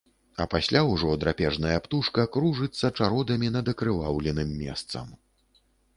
А пасля ўжо драпежная птушка кружыцца чародамі над акрываўленым месцам.